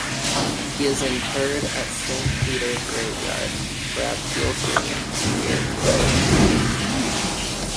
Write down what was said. He is interred at Saint Peters grave yard, Bradfield Green, Near Crewe.